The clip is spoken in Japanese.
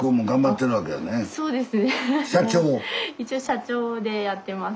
一応社長でやってます。